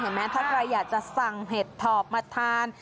แม้ถ้าใครอยากจะสั่งเห็ดถอบมาทาน